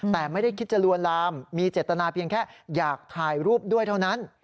แต่ไม่ได้คิดจะลวนลามมีเจตนาเพียงแค่อยากถ่ายรูปด้วยเท่านั้น